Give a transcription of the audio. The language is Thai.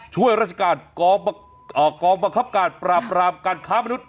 ช่วยราชกาลกองประคับการปราบการค้ามนุษย์